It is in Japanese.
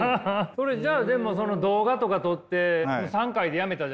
それじゃあでもその動画とか撮って３回でやめたじゃないですか。